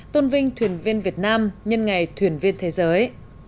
tôn vinh thuyền viên việt nam nhân ngày thuyền viên thế giới